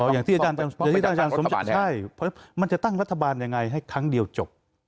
อย่างที่อาจารย์สมศักดิ์ใช่เพราะมันจะตั้งรัฐบาลยังไงให้ครั้งเดียวจบ